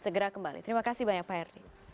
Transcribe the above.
segera kembali terima kasih banyak pak herdi